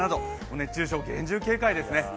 熱中症、厳重警戒です。